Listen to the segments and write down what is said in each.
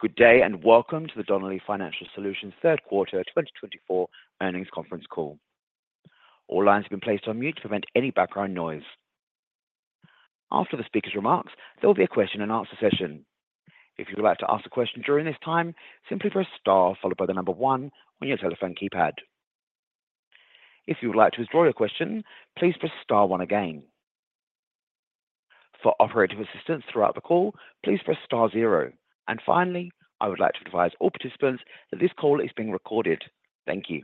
Good day and welcome to the Donnelley Financial Solutions third quarter 2024 earnings conference call. All lines have been placed on mute to prevent any background noise. After the speaker's remarks, there will be a question and answer session. If you would like to ask a question during this time, simply press star followed by the number one on your telephone keypad. If you would like to withdraw your question, please press star one again. For operative assistance throughout the call, please press star zero. And finally, I would like to advise all participants that this call is being recorded. Thank you.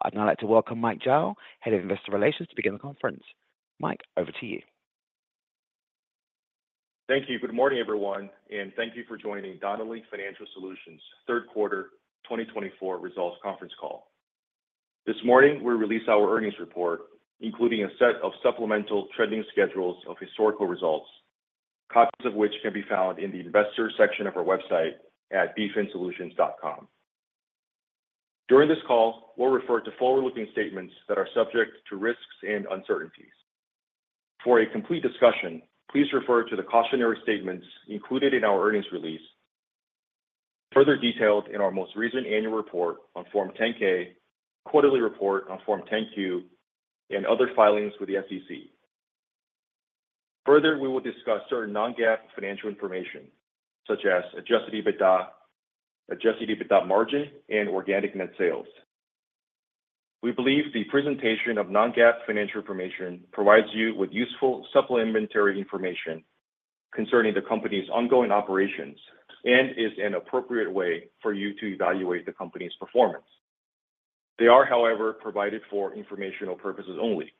I'd now like to welcome Mike Zhao, Head of Investor Relations, to begin the conference. Mike, over to you. Thank you. Good morning, everyone, and thank you for joining. Donnelley Financial Solutions third quarter 2024 results conference call. This morning we released our earnings report, including a set of supplemental trending schedules of historical results, copies of which can be found in the Investors section of our website @ dfinsolutions.com. During this call we'll refer to forward-looking statements that are subject to risks and uncertainties. For a complete discussion, please refer to the cautionary statements included in our earnings release, further detailed in our most recent Annual report on Form 10-K, quarterly report on Form 10-Q and other filings with the SEC. Further, we will discuss certain non-GAAP financial information such as Adjusted EBITDA, Adjusted EBITDA margin and Organic Net Sales. We believe the presentation of non-GAAP financial information provides you with useful supplementary information concerning the Company's ongoing operations and is an appropriate way for you to evaluate the Company's performance. They are, however, provided for informational purposes only.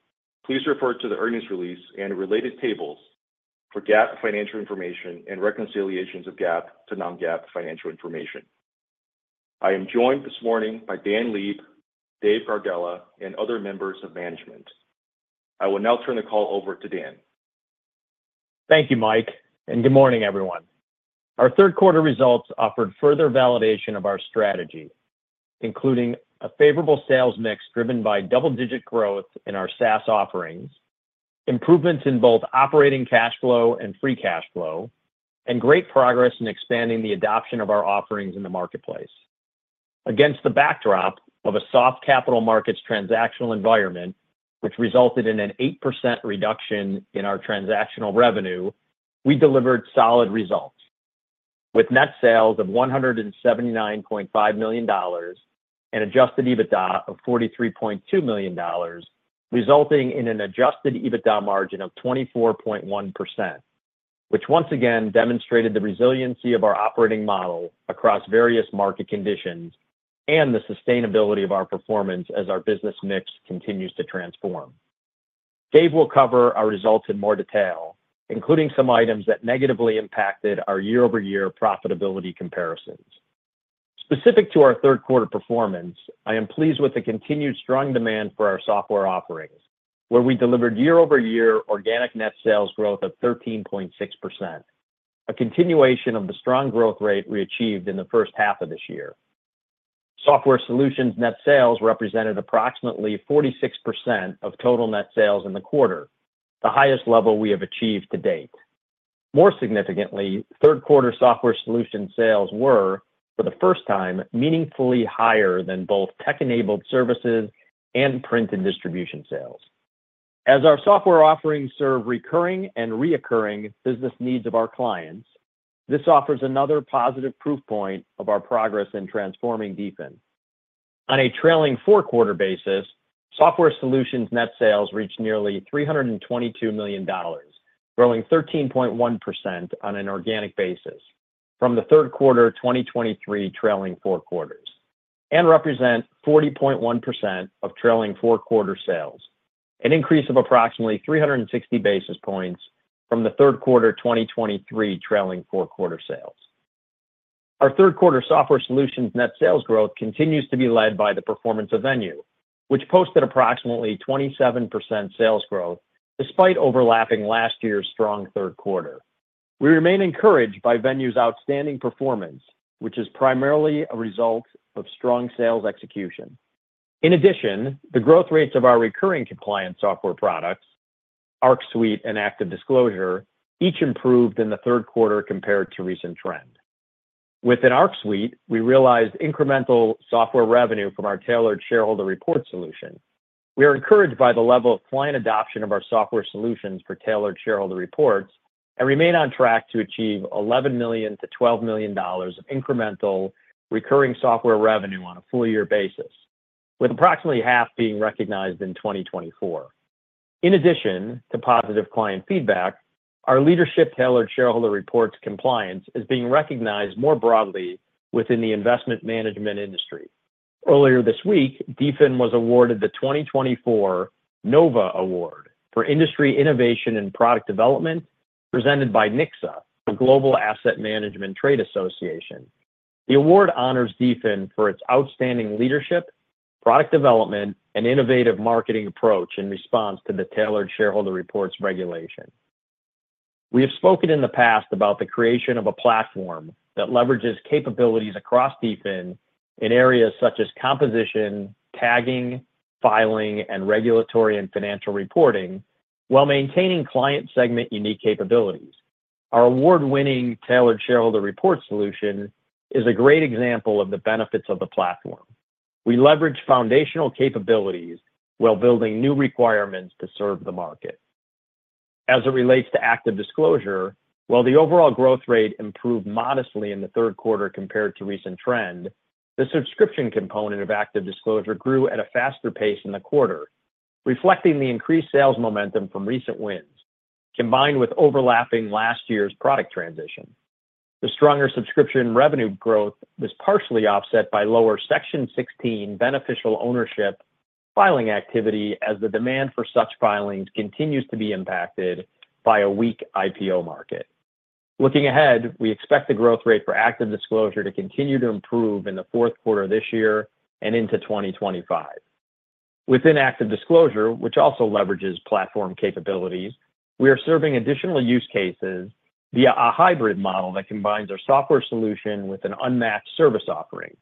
Please refer to the earnings release and related tables for GAAP financial information and reconciliations of GAAP to non-GAAP financial information. I am joined this morning by Dan Leib, Dave Gardella and other members of management. I will now turn the call over to Dan. Thank you Mike and good morning everyone. Our third quarter results offered further validation of our strategy, including a favorable sales mix driven by double-digit growth in our SaaS offerings, improvements in both Operating Cash Flow and Free Cash Flow, and great progress in expanding the adoption of our offerings in the marketplace against the backdrop of a soft capital markets transactional environment which resulted in an 8% reduction in our transactional revenue. We delivered solid results with net sales of $179.5 million and Adjusted EBITDA of $43.2 million, resulting in an Adjusted EBITDA Margin of 24.1%, which once again demonstrated the resiliency of our operating model across various market conditions, and the sustainability of our performance as our business mix continues to transform. Dave will cover our results in more detail, including some items that negatively impacted our year-over-year profitability comparisons specific to our third quarter performance. I am pleased with the continued strong demand for our software offerings where we delivered year-over-year organic net sales growth of 13.6%, a continuation of the strong growth rate we achieved in the first half of this year. Software Solutions net sales represented approximately 46% of total net sales in the quarter, the highest level we have achieved to date. More significantly, third quarter Software Solutions sales were for the first time meaningfully higher than both tech enabled services and print and distribution sales. As our software offerings serve recurring and reoccurring business needs of our clients, this offers another positive proof point of our progress in transforming DFIN on a trailing four quarter basis. Software Solutions net sales reached nearly $322 million, growing 13.1% on an organic basis from the third quarter 2023 trailing four quarters and represent 40.1% of trailing four quarter sales, an increase of approximately 360 basis points from the third quarter 2023 trailing fourth quarter sales. Our third quarter Software Solutions net sales growth continues to be led by the performance of Venue, which posted approximately 27% sales growth despite overlapping last year's strong third quarter. We remain encouraged by Venue's outstanding performance, which is primarily a result of strong sales execution. In addition, the growth rates of our recurring compliance software products, Arc Suite and ActiveDisclosure, each improved in the third quarter compared to recent trend within Arc Suite. We realized incremental software revenue from our Tailored Shareholder Report solution. We are encouraged by the level of client adoption of our software solutions for Tailored Shareholder Reports and remain on track to achieve $11-12 million of incremental recurring software revenue on a full year basis, with approximately half being recognized in 2024. In addition to positive client feedback, our leadership in Tailored Shareholder Reports compliance is being recognized more broadly within the investment management industry. Earlier this week, DFIN was awarded the 2024 Nova Award for Industry Innovation and Product Development presented by Nicsa, the global asset management trade association. The award honors DFIN for its outstanding leadership, product development and innovative marketing approach. In response to the Tailored Shareholder Reports regulation, we have spoken in the past about the creation of a platform that leverages capabilities across DFIN in areas such as composition, tagging, filing and regulatory and financial reporting while maintaining client segment unique capabilities. Our award-winning Tailored Shareholder Report solution is a great example of the benefits of the platform. We leverage foundational capabilities while building new requirements to serve the market as it relates to ActiveDisclosure. While the overall growth rate improved modestly in the third quarter compared to recent trend, the subscription component of ActiveDisclosure grew at a faster pace in the quarter, reflecting the increased sales momentum from recent wins combined with overlapping last year's product transition. The stronger subscription revenue growth was partially offset by lower Section 16 beneficial ownership filing activity as the demand for such filings continues to be impacted by a weak IPO market. Looking ahead, we expect the growth rate. For ActiveDisclosure to continue to improve in the fourth quarter this year and into 2025. Within ActiveDisclosure, which also leverages platform capabilities, we are serving additional use cases via a hybrid model that combines our software solution with an unmatched service offering.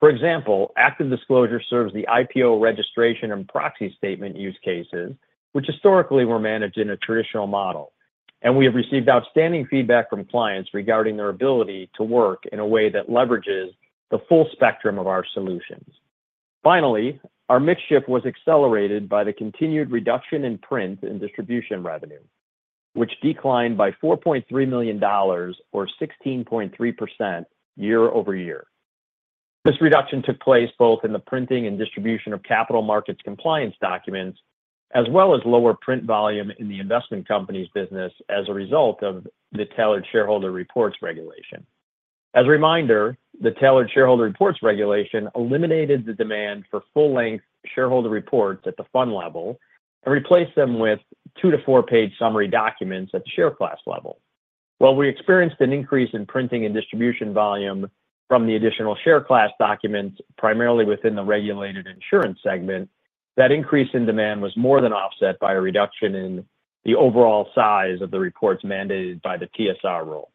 For example, ActiveDisclosure serves the IPO registration and proxy statement use cases, which historically were managed in a traditional model, and we have received outstanding feedback from clients regarding their ability to work in a way that leverages the full spectrum of our solutions. Finally, our mix shift was accelerated by the continued reduction in print and distribution revenue, which declined by $4.3 million, or 16.3%, year-over-year. This reduction took place both in the printing and distribution of capital markets compliance documents as well as lower print volume in the investment company's business as a result of the Tailored Shareholder Reports regulation. As a reminder, the Tailored Shareholder Reports regulation eliminated the demand for full length shareholder reports at the fund level and replaced them with two- to four-page summary documents at the share class level. While we experienced an increase in printing and distribution volume from the additional share class documents, primarily within the regulated insurance segment, that increase in demand was more than offset by a reduction in the overall size of the reports mandated by the TSR rule.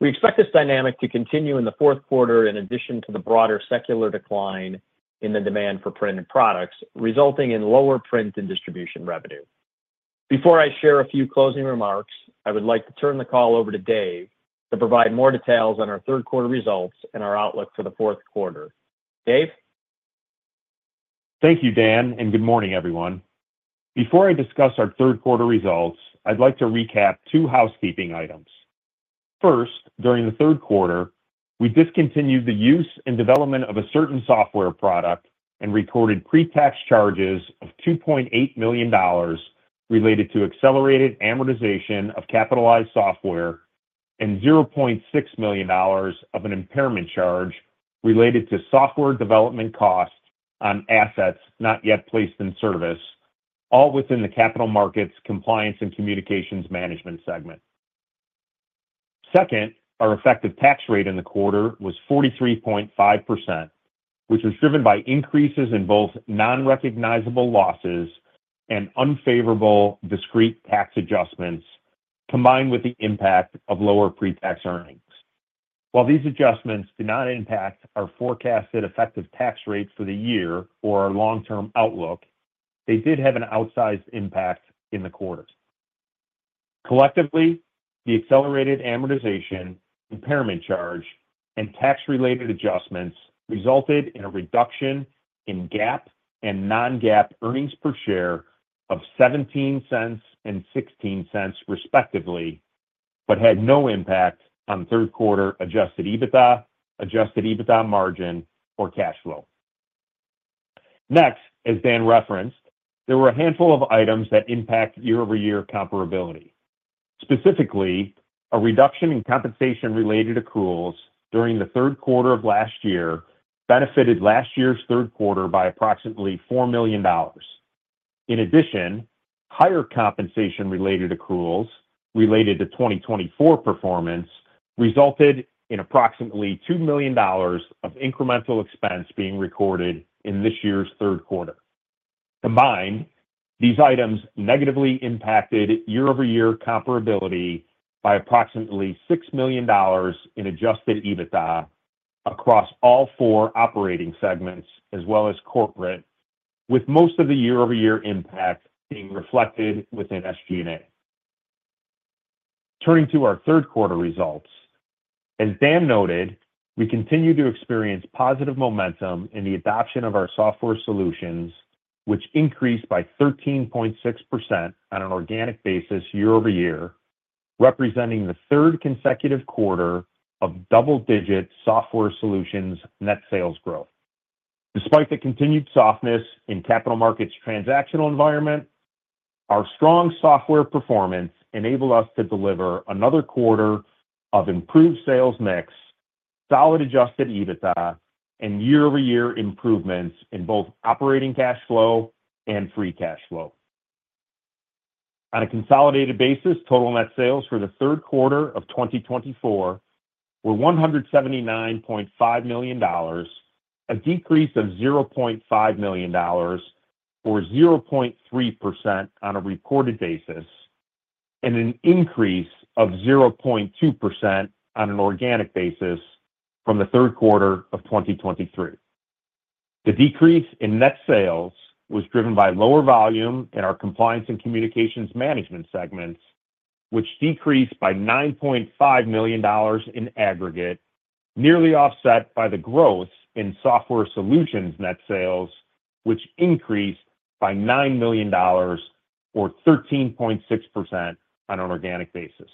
We expect this dynamic to continue in the fourth quarter in addition to the broader secular decline in the demand for printed products resulting in lower print and distribution revenue. Before I share a few closing remarks, I would like to turn the call over to Dave to provide more details. On our third quarter results and our. Outlook for the fourth quarter. Dave. Thank you, Dan, and good morning, everyone. Before I discuss our third quarter results, I'd like to recap two housekeeping items. First, during the third quarter, we discontinued the use and development of a certain software product and recorded pre-tax charges of $2.8 million related to accelerated amortization of capitalized software and $0.6 million of an impairment charge related to software development costs on assets not yet placed in service, all within the Capital Markets Compliance and Communications Management Segment. Second, our effective tax rate in the quarter was 43.5%, which was driven by increases in both non-deductible losses and unfavorable discrete tax adjustments combined with the impact of lower pre-tax earnings. While these adjustments did not impact our forecasted effective tax rate for the year or our long-term outlook, they did have an outsized impact in the quarter. Collectively, the accelerated amortization, impairment charge and tax-related adjustments resulted in a reduction in GAAP and non-GAAP earnings per share of $0.17 and $0.16 respectively, but had no impact on third quarter Adjusted EBITDA, Adjusted EBITDA Margin or cash flow. Next, as Dan referenced, there were a handful of items that impact year-over-year comparability. Specifically, a reduction in compensation-related accruals during the third quarter of last year benefited last year's third quarter by approximately $4 million. In addition, higher compensation-related accruals related to 2024 performance resulted in approximately $2 million of incremental expense being recorded in this year's third quarter. Combined, these items negatively impacted year-over-year comparability by approximately $6 million in Adjusted EBITDA across all four operating segments as well as corporate, with most of the year-over-year impact being reflected within SG&A. Turning to our third quarter results, as Dan noted, we continue to experience positive momentum in the adoption of our software solutions, which increased by 13.6% on an organic basis year-over-year, representing the third consecutive quarter of double-digit software solutions net sales growth despite the continued softness in capital markets transactional environment. Our strong software performance enabled us to deliver another quarter of improved sales mix, solid Adjusted EBITDA, and year-over-year improvements in both operating cash flow and free cash flow. On a consolidated basis, total net sales for the third quarter of 2024 were $179.5 million, a decrease of $0.5 million or 0.3% on a reported basis and an increase of 0.2% on an organic basis from the third quarter of 2023. The decrease in net sales was driven by lower volume in our compliance and communications management segments which decreased by $9.5 million in aggregate, nearly offset by the growth in software solutions net sales which increased by $9 million or 13.6% on an organic basis.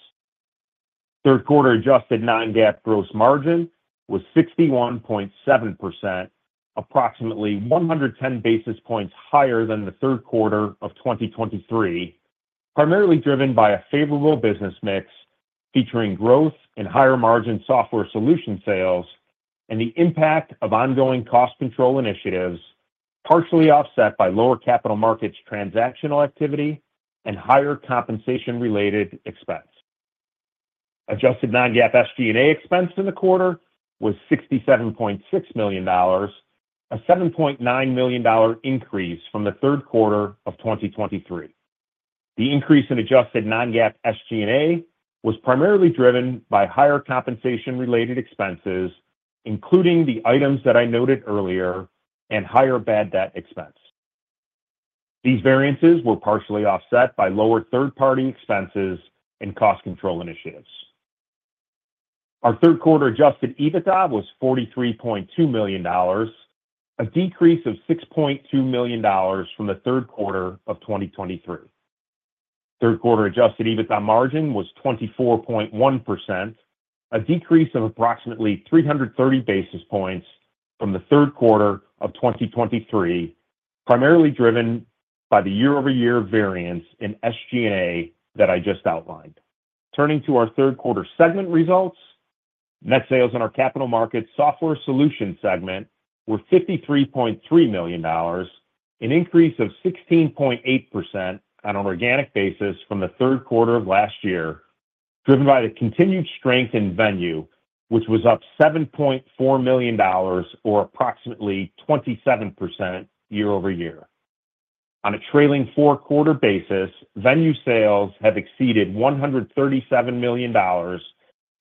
Third quarter adjusted non-GAAP gross margin was 61.7%, approximately 110 basis points higher than the third quarter of 2023, primarily driven by a favorable business mix featuring growth in higher margin software solution sales and the impact of ongoing cost control initiatives, partially offset by lower capital markets transactional activity and higher compensation-related expense. Adjusted non-GAAP SG&A expense in the quarter was $67.6 million, a $7.9 million increase from the third quarter of 2023. The increase in adjusted non-GAAP SGA was primarily driven by higher compensation related expenses including the items that I noted earlier and higher bad debt expense. These variances were partially offset by lower third party expenses and cost control initiatives. Our third quarter adjusted EBITDA was $43.2 million, a decrease of $6.2 million from the third quarter of 2023. Third quarter adjusted EBITDA margin was 24.1%, a decrease of approximately 330 basis points from the third quarter of 2023, primarily driven by the year-over-year variance in SG&A that I just outlined. Turning to our third quarter segment results, net sales in our Capital Markets Software Solutions segment were $53.3 million, an increase of 16.8% on an organic basis from the third quarter of last year driven by the continued strength in Venue which was up $7.4 million or approximately 27% year-over-year. On a trailing four quarter basis, Venue sales have exceeded $137 million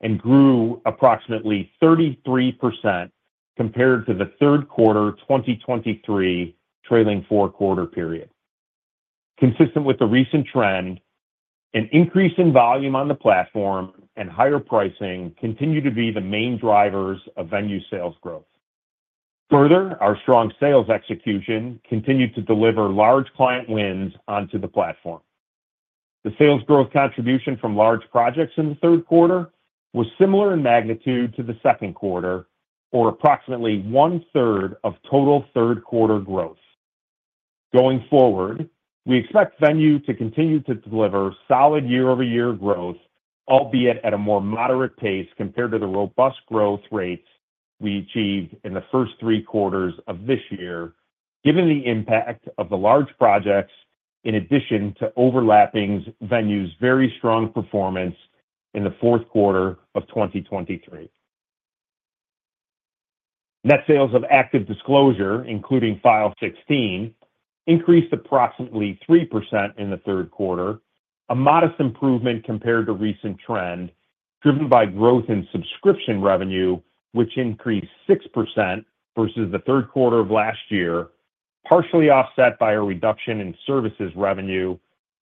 and grew approximately 33% compared to the third quarter 2023 trailing four quarter period. Consistent with the recent trend, an increase in volume on the platform and higher pricing continue to be the main drivers. Of Venue sales growth. Further, our strong sales execution continued to deliver large client wins onto the platform. The sales growth contribution from large projects in the third quarter was similar in magnitude to the second quarter or approximately one-third of total third quarter growth. Going forward, we expect Venue to continue to deliver solid year-over-year growth, albeit at a more moderate pace compared to the robust growth rates we achieved in the first three quarters of this year. Given the impact of the large projects in addition to overlapping Venue's very strong performance in the fourth quarter of 2023, net sales of ActiveDisclosure including File16 increased approximately 3% in the third quarter, a modest improvement compared to recent trend driven by growth in subscription revenue which increased 6% vs the third quarter of last year, partially offset by a reduction in services revenue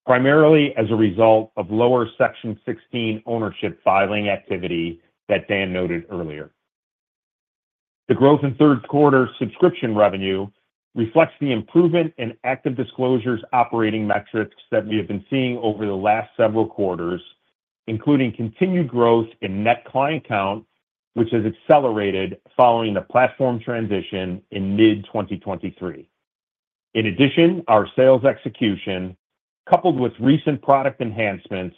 primarily as a result of lower Section 16 ownership filing activity that Dan noted earlier. The growth in third quarter subscription revenue reflects the improvement in ActiveDisclosure's operating metrics that we have been seeing over the last several quarters, including continued growth in net client count which has accelerated following the platform transition in mid-2023. In addition, our sales execution coupled with recent product enhancements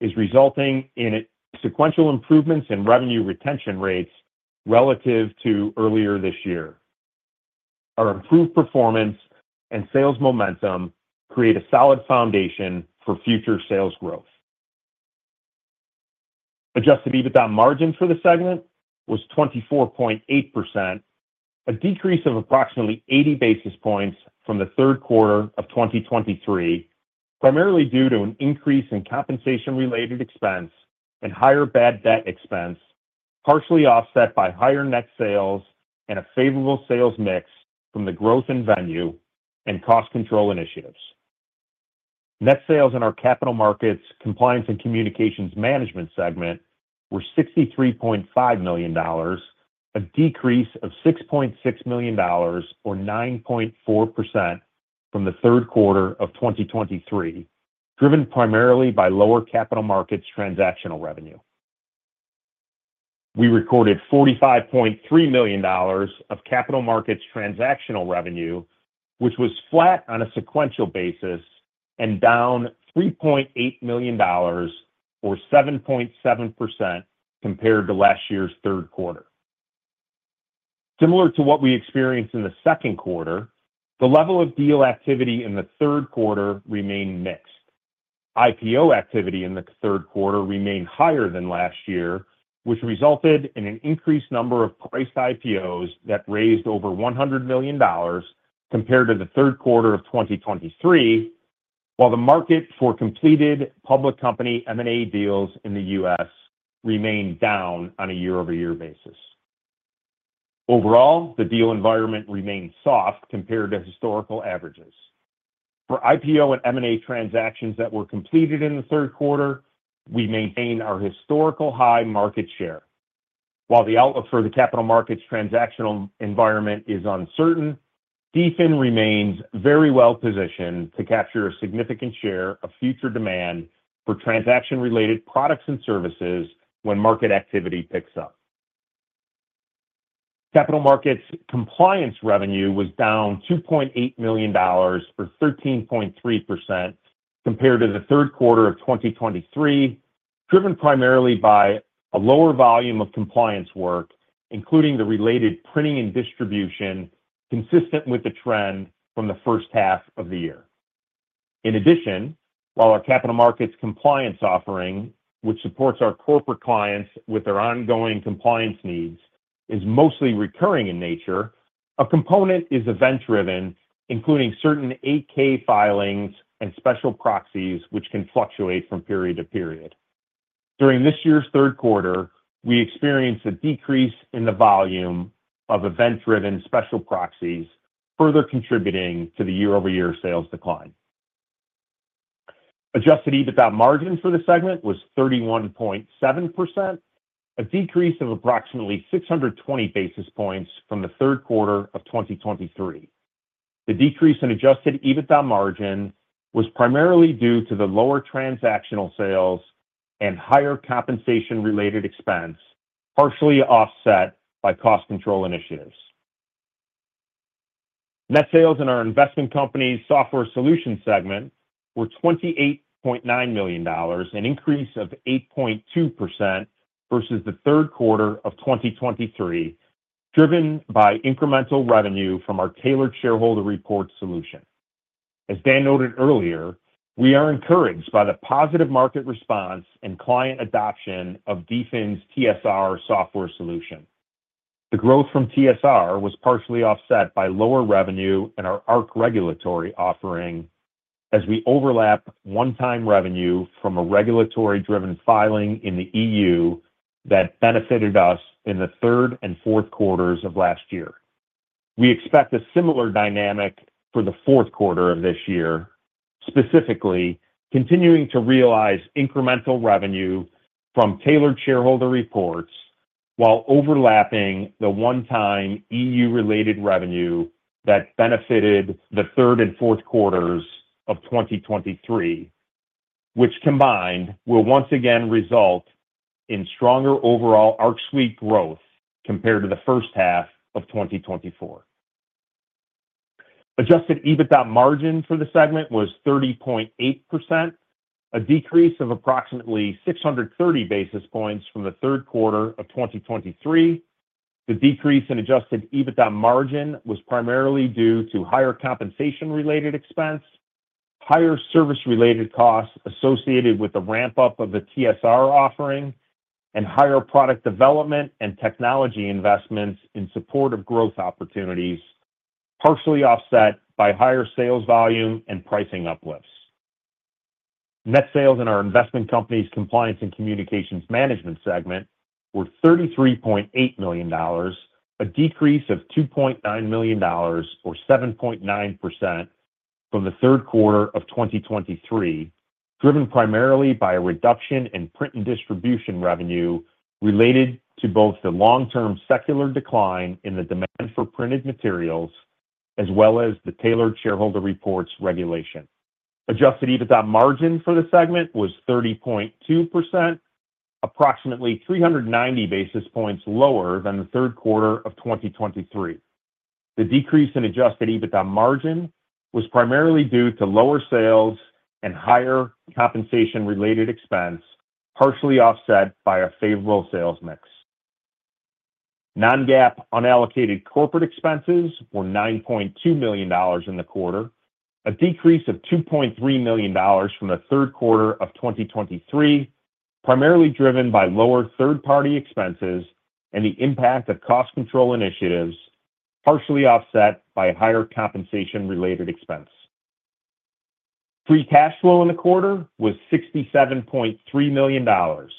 is resulting in sequential improvements in revenue retention rates relative to earlier this year. Our improved performance and sales momentum create a solid foundation for future sales growth. Adjusted EBITDA margin for the segment was 24.8%, a decrease of approximately 80 basis points from the third quarter of 2023, primarily due to an increase in compensation-related expense and higher bad debt expense, partially offset by higher net sales and a favorable sales mix from the growth in Venue and cost control initiatives. Net sales in our Capital Markets Compliance and Communications Management segment were $63.5 million, a decrease of $6.6 million or 9.4% from the third quarter of 2023, driven primarily by lower capital markets transactional revenue. We recorded $45.3 million of capital markets transactional revenue which was flat on a sequential basis and down $3.8 million or 7.7% compared to last year's third quarter. Similar to what we experienced in the second quarter, the level of deal activity in the third quarter remained mixed. IPO activity in the third quarter remained higher than last year, which resulted in an increased number of priced IPOs that raised over $100 million compared to the third quarter of 2023, while the market for completed public company M&A deals in the U.S. remained down on a year-over-year basis. Overall, the deal environment remains soft compared to historical averages for IPO and M&A transactions that were completed in the third quarter. We maintain our historical high market share. While the outlook for the capital markets transactional environment is uncertain, DFIN remains very well positioned to capture a significant share of future demand for transaction-related products and services when market activity picks up. Capital Markets Compliance revenue was down $2.8 million or 13.3% compared to the third quarter of 2023, driven primarily by a lower volume of compliance work and including the related printing and distribution consistent with the trend from the first half of the year. In addition, while our capital markets compliance offering, which supports our corporate clients with their ongoing compliance needs, is mostly recurring in nature, a component is event driven including certain 8-K filings and special proxies which can fluctuate from period to period. During this year's third quarter we experienced a decrease in the volume of event driven special proxies, further contributing to the year-over-year sales decline. Adjusted EBITDA margin for the segment was 31.7%, a decrease of approximately 620 basis points from the third quarter of 2023. The decrease in Adjusted EBITDA margin was primarily due to the lower transactional sales and higher compensation related expense partially offset by cost control initiatives. Net sales in our Investment Companies Software Solutions segment were $28.9 million, an increase of 8.2% vs the third quarter of 2023 driven by incremental revenue from our Tailored Shareholder Report solution. As Dan noted earlier, we are encouraged by the positive market response and client adoption of DFIN's TSR software solution. The growth from TSR was partially offset by lower revenue in our ARC regulatory offering as we overlap one-time revenue from a regulatory-driven filing in the EU that benefited us in the third and fourth quarters of last year. We expect a similar dynamic for the fourth quarter of this year, specifically continuing to realize incremental revenue from Tailored Shareholder Reports. While overlapping the one-time EU-related revenue that benefited the third and fourth quarters of 2023, which combined will once again result in stronger overall Arc Suite growth compared to the first half of 2024. Adjusted EBITDA margin for the segment was 30.8%, a decrease of approximately 630 basis points from the third quarter of 2023. The decrease in adjusted EBITDA margin was primarily due to higher compensation-related expense, higher service-related costs associated with the ramp-up of the TSR offering and higher product development and technology investments in support of growth opportunities partially offset by higher sales volume and pricing uplifts. Net sales in our Investment Companies Compliance and Communications Management segment were $33.8 million, a decrease of $2.9 million or 7.9% from the third quarter of 2023, driven primarily by a reduction in print and distribution revenue related to both the long term secular decline in the demand for printed materials as well as the Tailored Shareholder Reports regulation. Adjusted EBITDA margin for the segment was 30.2%, approximately 390 basis points lower than the third quarter of 2023. The decrease in adjusted EBITDA margin was primarily due to lower sales and higher compensation related expense partially offset by a favorable sales mix. Non-GAAP unallocated Corporate expenses were $9.2 million in the quarter, a decrease of $2.3 million from the third quarter of 2023, primarily driven by lower third party expenses and the impact of cost control initiatives partially offset by higher compensation related expense. Free cash flow in the quarter was $67.3 million, an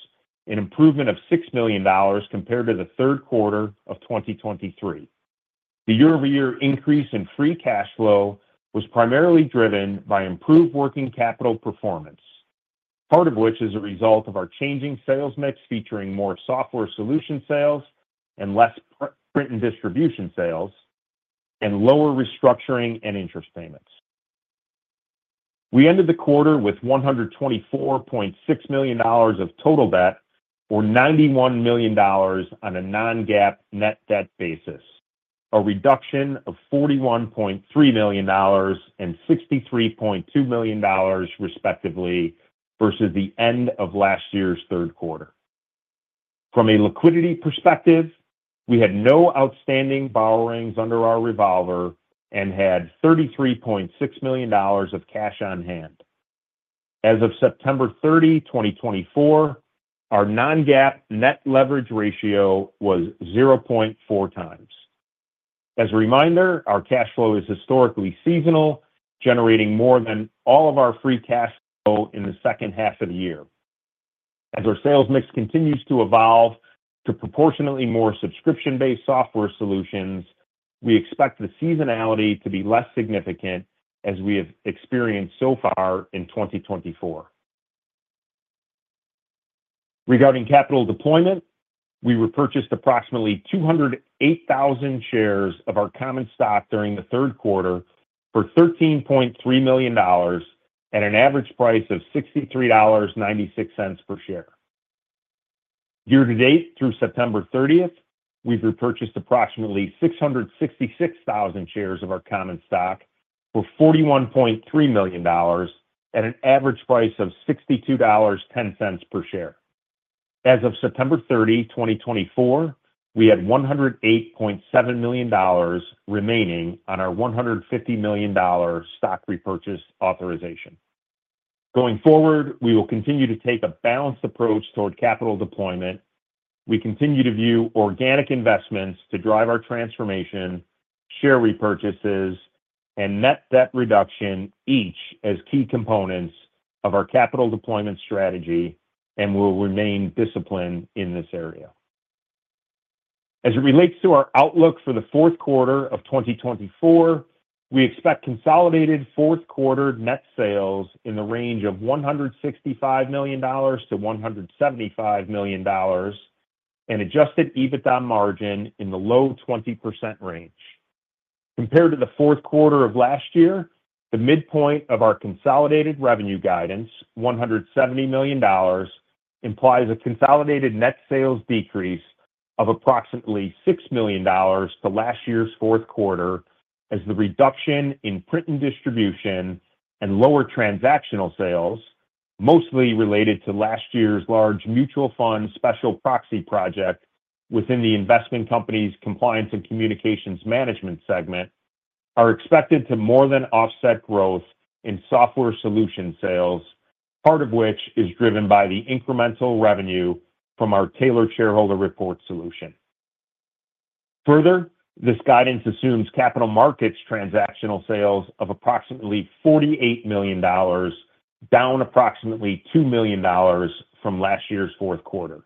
improvement of $6 million compared to the third quarter of 2023. The year-over-year increase in free cash flow was primarily driven by improved working capital performance, part of which is a result of our changing sales mix featuring more software solution sales and less print and distribution sales and lower restructuring and interest payments. We ended the quarter with $124.6 million of total debt or $91 million on a non-GAAP net debt basis, a reduction of $41.3 and 63.2 million respectively, vs the end of last year's third quarter. From a liquidity perspective, we had no outstanding borrowings under our Revolver and had $33.6 million of cash on hand. As of September 30, 2024, our non-GAAP net leverage ratio was 0.4 times. As a reminder, our cash flow is historically seasonal, generating more than all of our free cash in the second half of the year. As our sales mix continues to evolve to proportionately more subscription based software solutions, we expect the seasonality to be less significant as we have experienced so far in 2024. Regarding capital deployment, we repurchased approximately 208,000 shares of our common stock during the third quarter for $13.3 million at an average price of $63.96 per share. Year to date through September 30, we've repurchased approximately 666,000 shares of our common stock for $41.3 million at an average price of $62.10 per share. As of September 30, 2024, we had $108.7 million remaining on our $150 million authorization. Going forward, we will continue to take a balanced approach toward capital deployment. We continue to view organic investments to drive our transformation, share repurchases and net debt reduction each as key components of our capital deployment strategy and will remain disciplined in this area as it relates to our outlook for the fourth quarter of 2024. We expect consolidated fourth quarter net sales in the range of $165-175 million and Adjusted EBITDA margin in the low 20% range compared to the fourth quarter of last year. The midpoint of our consolidated revenue guidance, $170 million implies a consolidated net sales decrease of approximately $6 million to last year's fourth quarter as the reduction in print and distribution and lower transactional sales, mostly related to last year's large mutual fund special proxy project within the Investment Company's Compliance and Communications Management segment are expected to more than offset growth in software solution sales, part of which is driven by the incremental revenue from our tailored shareholder report solution. Further, this guidance assumes capital markets transactional sales of approximately $48 million, down approximately $2 million from last year's fourth quarter.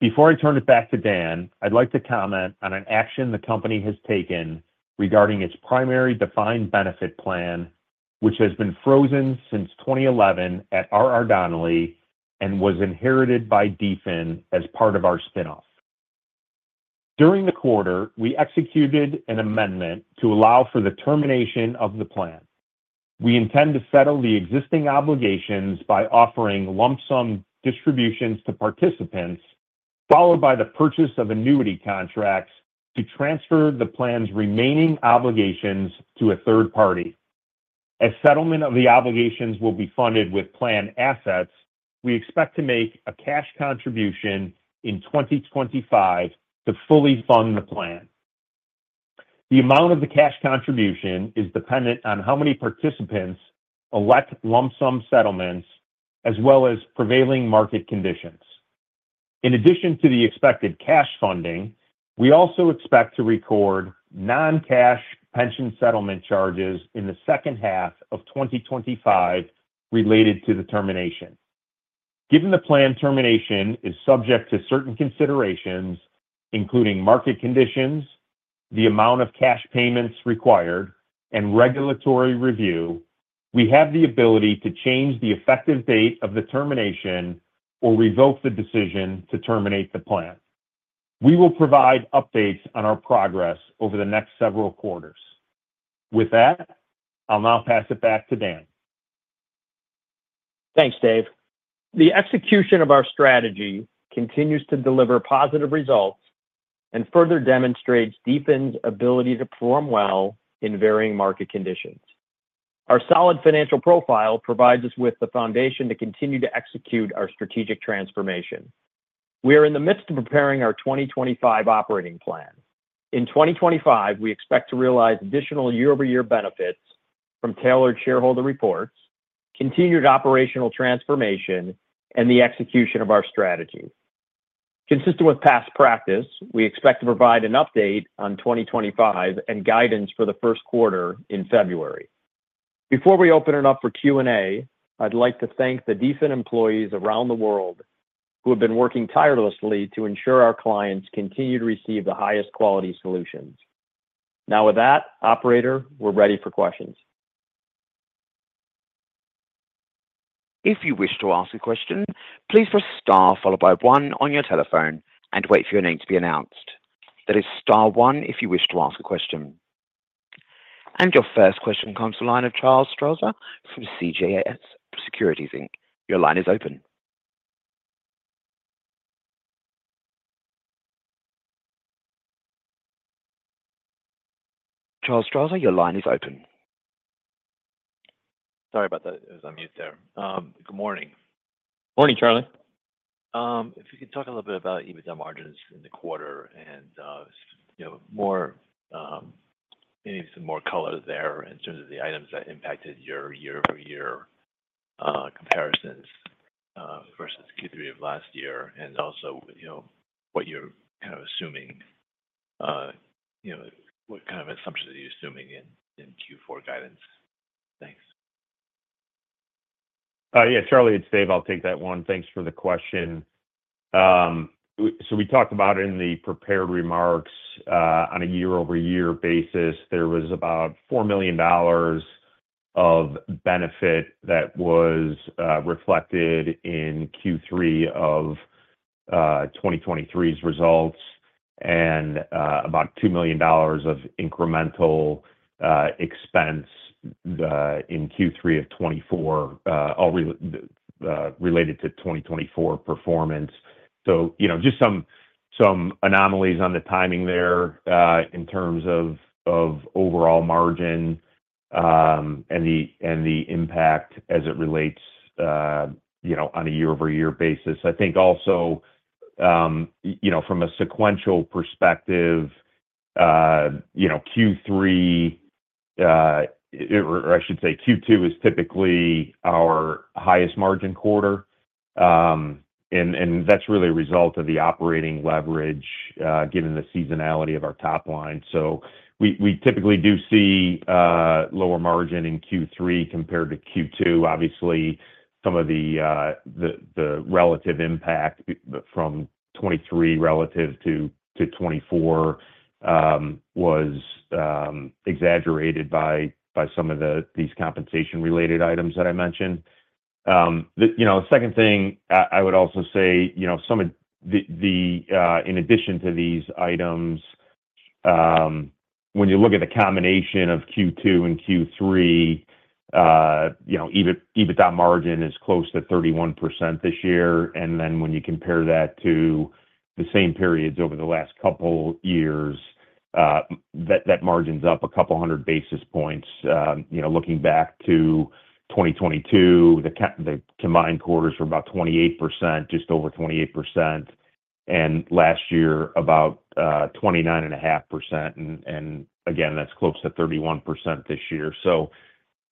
Before I turn it back to Dan, I'd like to comment on an action the Company has taken regarding its primary defined benefit plan, which has been frozen since 2011 at RR Donnelley and was inherited by DFIN as part of our spinoff. During the quarter, we executed an amendment to allow for the termination of the plan. We intend to settle the existing obligations by offering lump-sum distributions to participants, followed by the purchase of annuity contracts to transfer the plan's remaining obligations to a third party. As settlement of the obligations will be funded with plan assets, we expect to make a cash contribution in 2025 to fully fund the plan. The amount of the cash contribution is dependent on how many participants elect lump-sum settlements as well as prevailing market conditions. In addition to the expected cash funding, we also expect to record non-cash pension settlement charges in the second half of 2025 related to the termination. Given the plan termination is subject to certain considerations including market conditions, the amount of cash payments required, and regulatory review. We have the ability to change the effective date of the termination or revoke the decision to terminate the plan. We will provide updates on our progress over the next several quarters. With that, I'll now pass it back to Dan. Thanks Dave. The execution of our strategy continues to deliver positive results and further demonstrates DFIN's ability to perform well in varying market conditions. Our solid financial profile provides us with the foundation to continue to execute our strategic transformation. We are in the midst of preparing our 2025 operating plan. In 2025, we expect to realize additional year-over-year benefits from Tailored Shareholder Reports, continued operational transformation, and the execution of our strategy. Consistent with past practice, we expect to provide an update on 2025 and guidance for the first quarter in February. Before we open it up for Q&A, I'd like to thank the DFIN employees around the world who have been working tirelessly to ensure our clients continue to receive the highest quality solutions. Now, with that, operator, we're ready for questions. If you wish to ask a question, please press star followed by one on your telephone and wait for your name to be announced. That is star one. If you wish to ask a question and your first question comes to the line of Charles Strauzer from CJS Securities Inc. Your line is open. Charles Strauzer, your line is open. Sorry about that, it was on mute there. Good morning. Morning, Charlie, if you could talk a.Little bit about EBITDA margins in the quarter and more, maybe some more color there in terms of the items that impacted your year-over-year comparisons vs Q3 of last year. And also, you know what, you're kind of assuming, you know, what kind of assumptions are you assuming in Q4 guidance? Thanks. Yeah, Charlie, it's Dave. I'll take that one. Thanks for the question. We talked about in the prepared remarks, on a year-over-year basis, there was about $4 million of benefit that was reflected in Q3 of 2023's results and about $2 million of incremental expense in Q3 of 2024, all. Related to 2024 performance. So you know, just some anomalies on the timing there in terms of overall margin and the impact as it relates, you know, on a year-over-year basis. I think also you know, from a sequential perspective, you know, Q3. Or I. Should say Q2 is typically our highest margin quarter and that's really a result of the operating leverage given the seasonality. Of our top line. So we typically do see lower margin in Q3 compared to Q2. Obviously some of the relative impact from 2023 relative to 2024 was exaggerated by some of these compensation related items that I mentioned. Second thing, I would also say in addition to these items. When you look. At the combination of Q2 and Q3, you know, even EBITDA margin is close to 31% this year. And then when you compare that to the same periods over the last couple years that that margin's up a couple hundred basis points. You know, looking back to 2022, the combined quarters were about 28%, just over 28% and last year about 29.5%. And, and again that's close to 31% this year.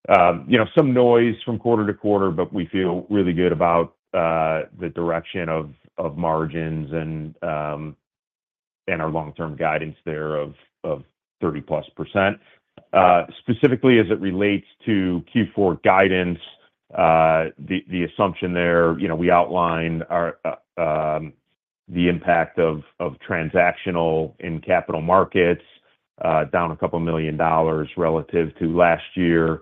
You know, some noise from quarter-to-quarter, but we feel really good. About the direction of margins and our long-term guidance thereof +30% specifically as it relates to Q4 guidance. The assumption there, you know, we outline the impact of transactional in capital markets down $2 million relative to last year.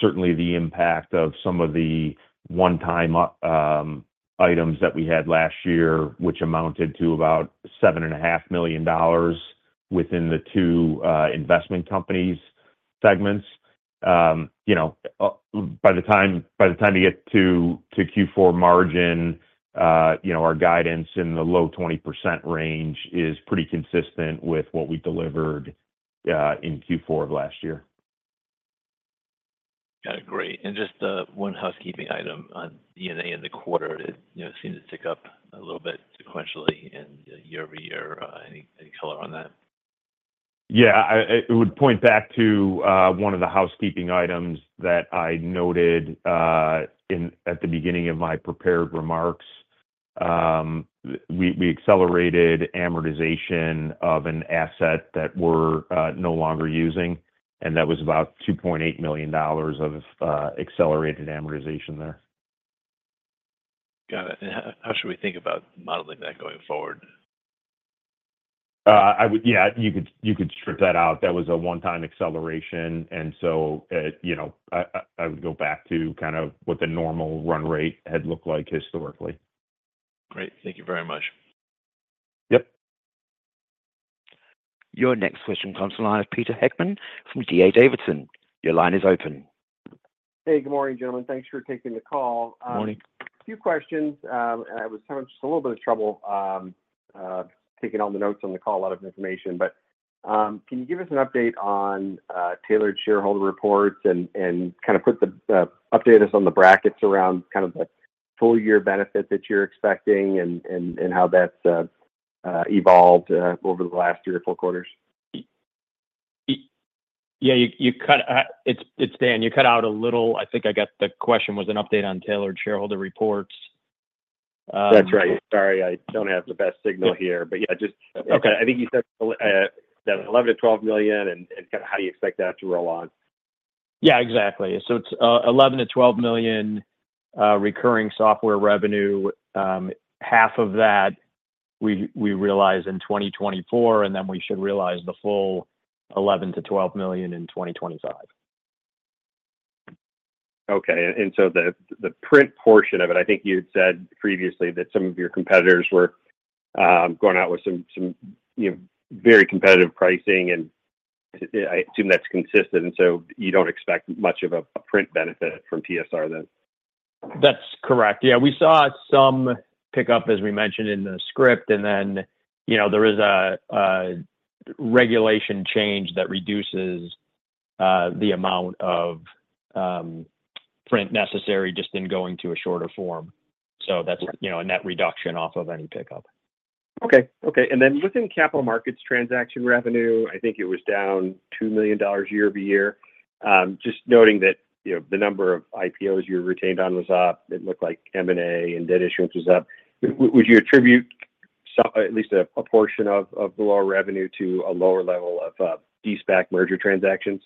Certainly the impact of some of the one-time items that we had last year which amounted to about $7.5 million within the two investment companies segments. You know, by the time you get to Q4 margin, you know, our guidance in the low-20% range is pretty consistent with what we delivered in Q4 of last year. Got it. Great. And just one housekeeping item on DFIN in the quarter, it seemed to tick up a little bit sequentially and year-over-year. Any color on that? Yeah. It would point back to one of. The housekeeping items that I noted at the beginning of my prepared remarks. We accelerated amortization of an asset that we're no longer using, and that was about $2.8 million of accelerated amortization there. Got it. And how should we think about modeling that going forward? Yeah, you could strip that out. That was a one-time acceleration. And so, you know, I would go. Back to kind of what the normal. Run rate had looked like historically. Great, thank you very much. Yep. Your next question comes to mind of Peter Heckman from D.A. Davidson. Your line is open. Hey, good morning, gentlemen. Thanks for taking the call. A few questions. I was having just a little bit of trouble taking all the notes on the call. A lot of information. But can you give us an update on Tailored Shareholder Reports and kind of put the update us on the brackets around kind of the full year benefit that you're expecting and how that's evolved over the last three or four quarters? Yeah, you cut. It's Dan, you cut out a little. I think I got the question was an update on Tailored Shareholder Reports. That's right. Sorry, I don't have the best signal here, but yeah, just. Okay. I think you said $11 million-$12 million and how do you expect that to roll on. Yeah, exactly. It's $11-12 million recurring software revenue. Half of that we realize in 2024, and then we should realize the full $11-12 million in 2025. Okay. And so the print portion of it, I think you had said previously that some of your competitors were going out with some very competitive pricing and I assume that's consistent. And so you don't expect much of a print benefit from PSR then. That's correct. Yeah, we saw some pickup as we mentioned in the script. And then, you know, there is a regulation change that reduces the amount of print necessary just in going to a shorter form. So that's, you know, a net reduction off of any pickup. Okay.Okay. And then within capital markets, transaction revenue, I think it was down $2 million year-over-year. Just noting that, you know, the number of IPOs you're retained on was up. It looked like M&A and debt issuance was up. Would you attribute at least a portion of the lower revenue to a lower level of De-SPAC merger transactions?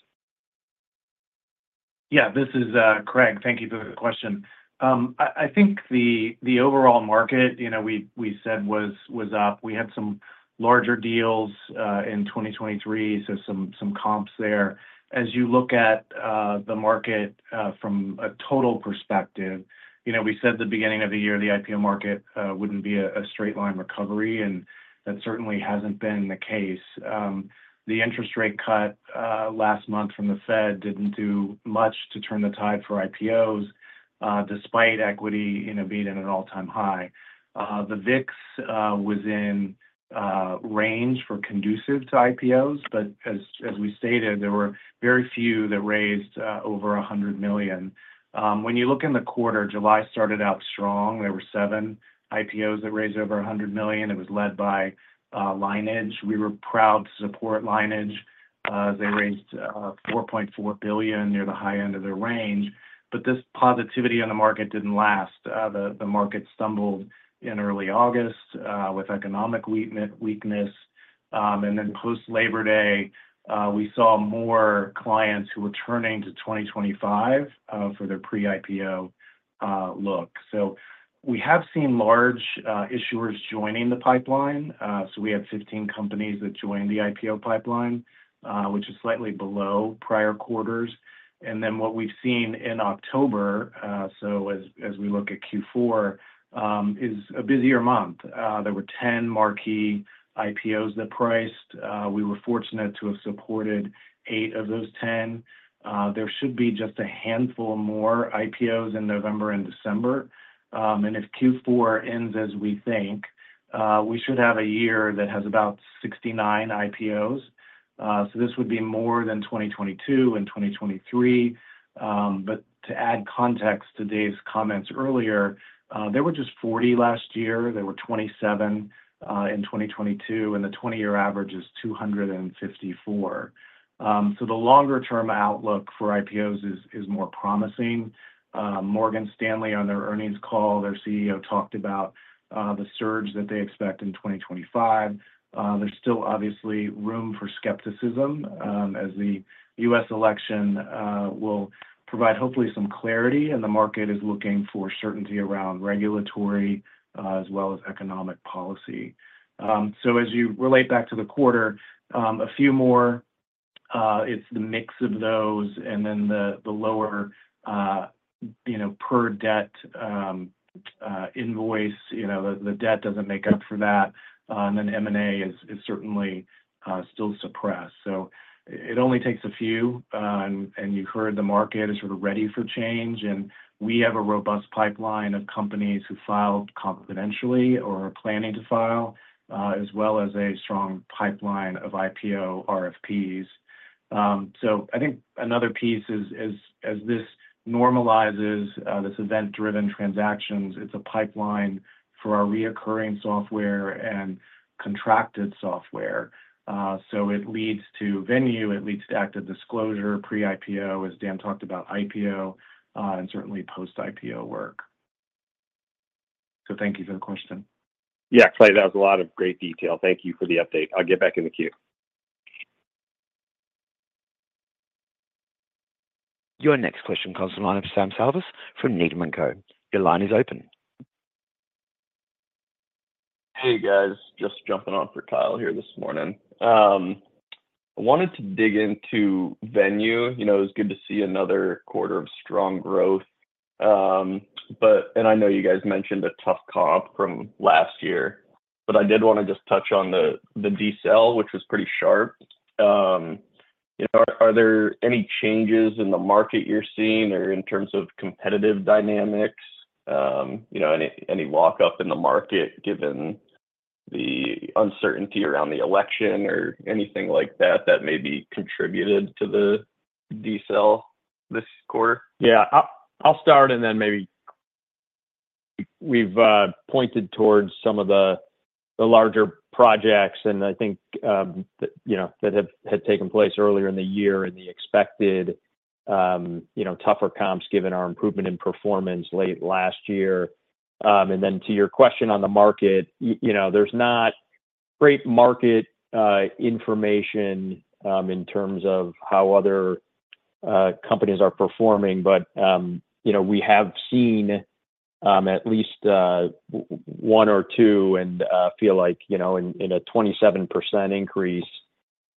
Yeah, this is Craig. Thank you for the question. I think the overall market, you know, we said was up. We had some larger deals in 2023. So some comps there. As you look at the market from a total perspective, you know, we said the beginning of the year, the IPO market wouldn't be a straight line recovery. And that certainly hasn't been the case. The interest rate cut last month from the Fed didn't do much to turn the tide for IPOs. Despite equity being at an all-time high, the VIX was in a range conducive to IPOs. But as we stated, there were very few that raised over $100 million. When you look in the quarter, July started out strong. There were seven IPOs that raised over $100 million. It was led by, we were proud to support Lineage. They raised $4.4 billion near the high end of their range. But this positivity in the market didn't last. The market stumbled in early August with economic weakness. And then post Labor Day we saw more clients who were turning to 2025 for their pre IPO look. So we have seen large issuers joining the pipeline. So we had 15 companies that joined the IPO pipeline which is slightly below prior quarters and then what we've seen in October. So as we look at Q4 is a busier month. There were 10 marquee IPOs that priced. We were fortunate to have supported eight of those 10. There should be just a handful more IPOs in November and December. And if Q4 ends as we think we should have a year that has about 69 IPOs. So this would be more than 2022 and 2023. But to add context to Dave's comments earlier, there were just 40 last year, there were 27 in 2022, and the 20-year average is 254, so the longer term outlook for IPOs is more promising. Morgan Stanley, on their earnings call, their CEO talked about the surge that they expect in 2025. There's still obviously room for skepticism as the U.S. election will provide hopefully some clarity, and the market is looking for certainty around regulatory as well as economic policy, so as you relate back to the quarter, a few more, it's the mix of those and then the lower, you know, per debt invoice, you know, the debt doesn't make up for that, and then M&A is certainly still suppressed, so it only takes a few. You heard the market is sort of ready for change, and we have a robust pipeline of companies who filed confidentially or are planning to file, as well as a strong pipeline of IPO RFPs. I think another piece is as this normalizes, this event-driven transactions. It's a pipeline for our recurring software and contracted software. It leads to Venue. It leads to ActiveDisclosure pre-IPO. As Dan talked about IPO and certainly post-IPO work. Thank you for the question, yeah. Clay, that was a lot of great detail. Thank you for the update. I'll get back in the queue. Your next question comes in line of Sam Salvas from Needham & Company. Your line is open. Hey guys, just jumping on for Kyle here this morning. I wanted to dig into Venue. You know, it was good to see another quarter of strong growth, but and I know you guys mentioned a tough comp from last year, but I did want to just touch on the decel, which was pretty sharp. Are there any changes in the market you're seeing or in terms of competitive dynamics, any lockup in the market, given the uncertainty around the election or anything like that that may be contributed to the decel this quarter? Yeah, I'll start and then maybe. We've. Pointed towards some of the larger projects and I think, you know, that have had taken place earlier in the year and the expected, you know, tougher comps given our improvement in performance late last year, and then to your question on the market, you know, there's not great market information in terms of how other companies are performing, but, you know, we have seen at least one or two and feel like, you know, in a 27% increase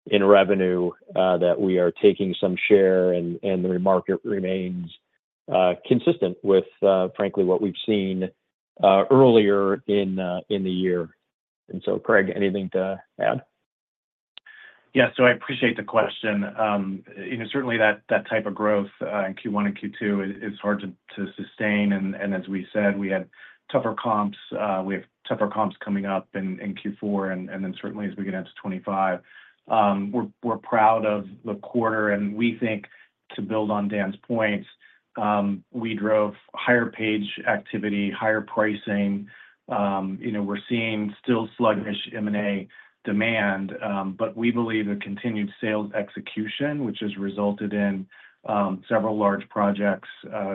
in revenue that we are taking some share and the market remains consistent with frankly what we've seen earlier in the year. And so. Craig, anything to add? Yes. I appreciate the question. You know, certainly that type of growth in Q1 and Q2 is hard to sustain. As we said, we had tougher comps. We have tougher comps coming up in Q4 and then certainly as we get into 25, we're proud of the quarter and we think to build on Dan's point, we drove higher page activity, higher pricing. You know, we're seeing still sluggish M&A demand. We believe the continued sales execution which has resulted in several large projects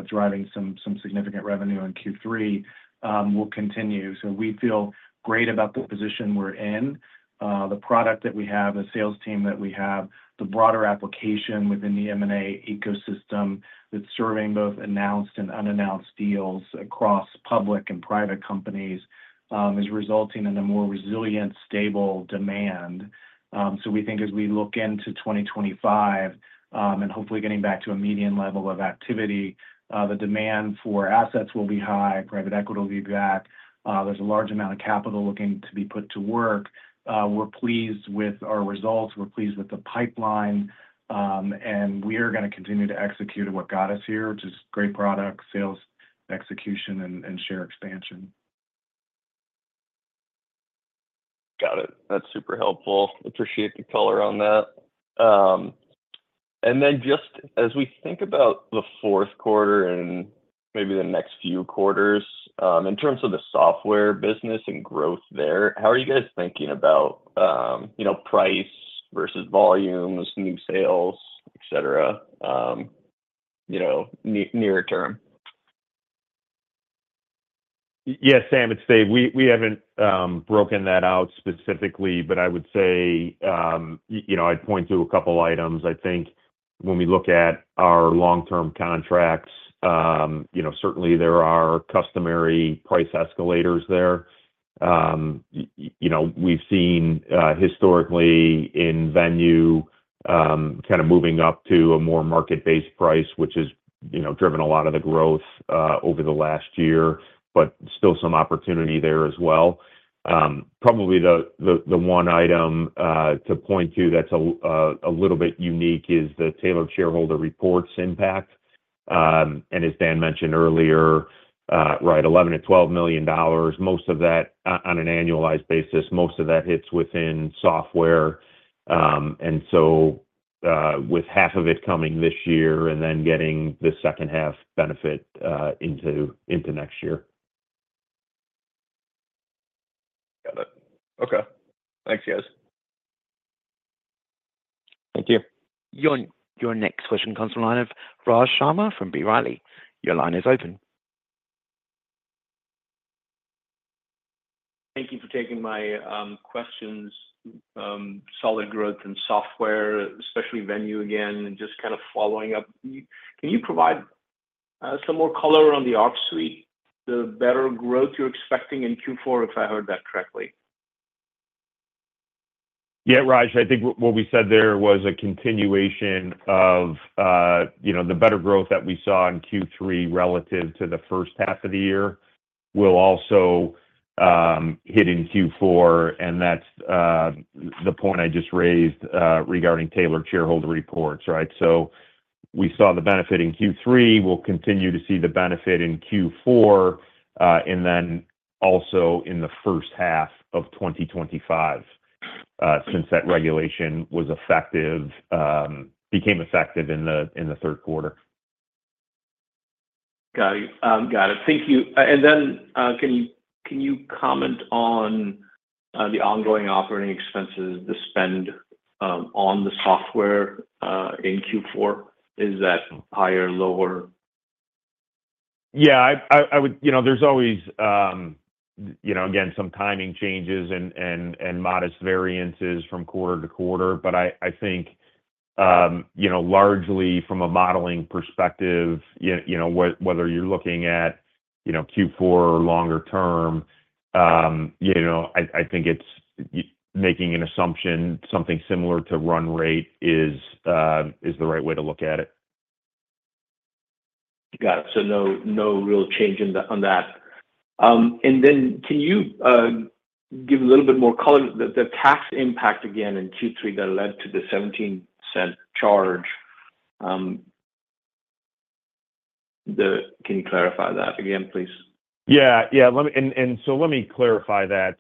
driving some significant revenue in Q3 will continue. We feel great about the position we're in, the product that we have, the sales team that we have, the broader application within the M&A ecosystem that's serving both announced and unannounced deals across public and private companies is resulting in a more resilient, stable demand. So we think as we look into 2025 and hopefully getting back to a median level of activity, the demand for assets will be high, private equity-backed. There's a large amount of capital looking to be put to work. We're pleased with our results, we're pleased with the pipeline and we are going to continue to execute what got us here, which is great products, sales execution and share expansion. Got it. That's super helpful. Appreciate the color on that. And then just as we think about the fourth quarter and maybe the next few quarters in terms of the software business and growth there, how are you guys thinking about, you know, price vs volume, this new sales, etc. You know, near term? Yes, Sam, it's Dave. We haven't broken that out specifically, but I would say, you know, I'd point to a couple items. I think when we look at our. Long-term contracts, you know, certainly there are customary price escalators there. You know, we've seen historically in Venue kind of moving up to a more market-based price which is, you know, driven a lot of the growth over the last year, but still some opportunity there as well. Probably the one item to point to that's a little bit unique is the Tailored Shareholder Reports impact. And as Dan mentioned earlier. Right. $11-12 million. Most of that on an annualized basis. Most of that hits within software. And so with half of it coming this year and then getting the second half benefit into next year. Got it. Okay, thanks guys. Thank you. Your next question comes from the line of Raj Sharma from B. Riley. Your line is open. Thank you for taking my questions. Solid growth in software, especially Venue again and just kind of following up, can you provide some more color on the Arc Suite, the better growth you're expecting in Q4, if I heard that correctly? Yeah, Raj, I think what we said. There was a continuation of, you know. The better growth that we saw in. Q3 relative to the first half of the year will also hit in Q4, and that's the point I just raised. Regarding Tailored Shareholder Reports. Right. So we saw the benefit in Q3, we'll continue to see the benefit in Q4 and then also in the first half of 2025 since that regulation became effective in the third quarter. Got it, got it. Thank you. Then can you comment on the ongoing operating expenses, the spend on the software in Q4? Is that higher? Lower? Yeah, I would. You know, there's always, you know, again, some timing changes and modest variances from quarter to quarter. But I think, you know, largely from a modeling perspective, you know, whether you're looking at, you know, Q4 longer term. You know, I think it's making an assumption something similar to run rate is the right way to look at it. Got it. So, no, no real change on that. And then, can you give a little bit more color on the tax impact again in Q3 that led to the 17 charge? Can you clarify that again, please? Yeah, yeah. Let me clarify that.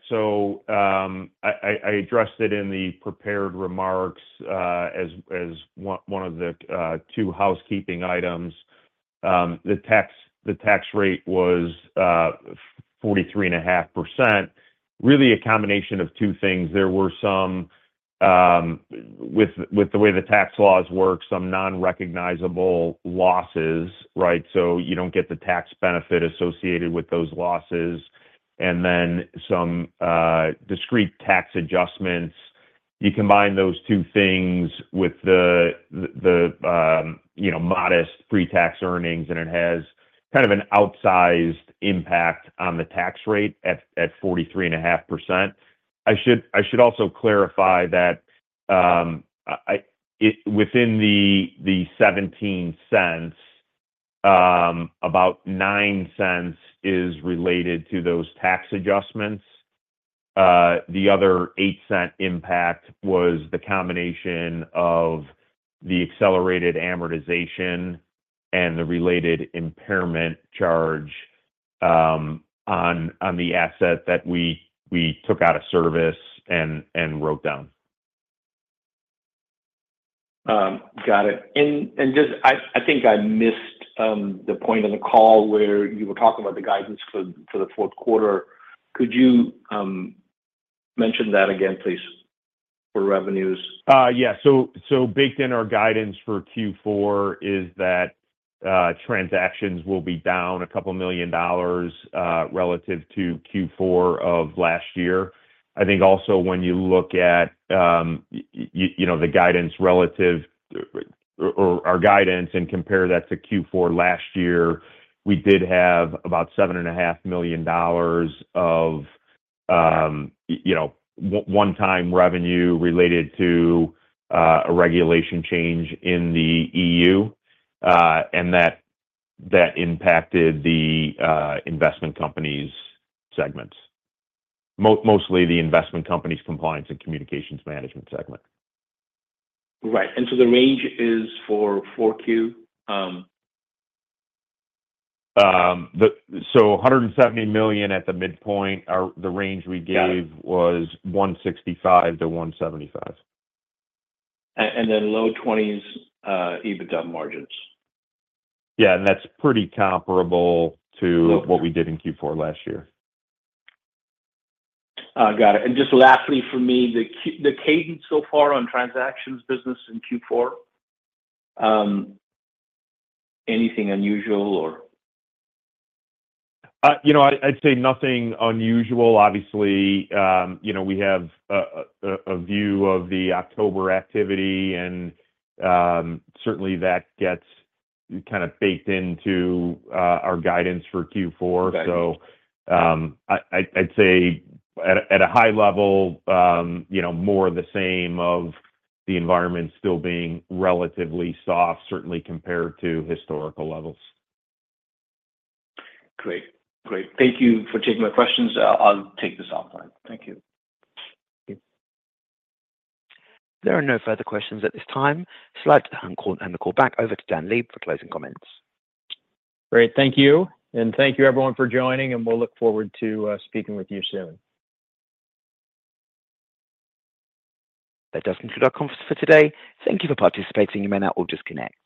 I addressed it in the prepared remarks as one of the two housekeeping items. The tax rate was 43.5%. Really a combination of two things. There were some. With the way. The tax laws work some non-recognizable losses. Right, so you don't get the tax benefit associated with those losses, and then some discrete tax adjustments. You combine those two things with the you know, modest pre-tax earnings and it has kind of an outsized impact on the tax rate at 43.5%. I should also clarify that. Within the $0.17, about $0.09 is related to those tax adjustments. The other $0.08 impact was the combination of the accelerated amortization and the related impairment charge on the asset that we took out of service and wrote down. Got it. I just think I missed the point in the call where you were talking about the guidance for the fourth quarter. Could you mention that again, please, for revenues? Yeah. So baked in our guidance for Q4 is that transactions will be down $2 million relative to Q4 of last year. I think also when you look at you know the guidance relative or our guidance and compare that to Q4 last year we did have about $7.5 million of you know 1x revenue related to a regulation change in the EU and that impacted the investment companies segment mostly the. Investment companies compliance and communications management segment. Right. The range is for 4Q. $170 million at the midpoint. The range we gave was 165-175 and. Low 20s EBITDA margins. Yeah. And that's pretty comparable to what we. Did in Q4 last year. Got it. Just lastly for me, the cadence so far on transactions business in Q4. Anything unusual or? You know, I'd say nothing unusual. Obviously, you know, we have a view of the October activity, and certainly that gets kind of baked into our guidance for Q4. So I'd say at a high level, you know, more of the same of the environment still being relatively soft, certainly compared to historical levels. Great, great. Thank you for taking my questions. I'll take this offline. Thank you. There are no further questions at this time. So I'd like to hand the call back over to Dan Leib for closing comments. Great, thank you and thank you everyone for joining and we'll look forward to speaking with you soon. That does conclude our conference for today. Thank you for participating. You may now all disconnect.